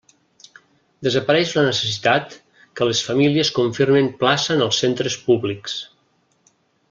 Desapareix la necessitat que les famílies confirmen plaça en els centres públics.